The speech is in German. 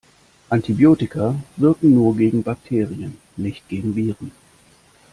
Antibiotika wirken nur gegen Bakterien, nicht gegen Viren.